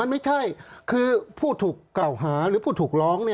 ไม่ใช่คือผู้ถูกกล่าวหาหรือผู้ถูกร้อง